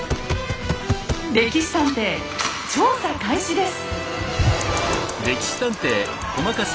「歴史探偵」調査開始です！